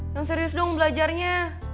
yang serius dong belajarnya